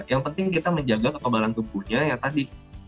yang penting kita menjaga kekebalan tubuhnya yang tadi